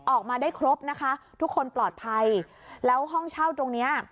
ออกมาได้ครบนะคะทุกคนปลอดภัยแล้วห้องเช่าตรงเนี้ย